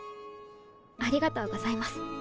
ありがとうございます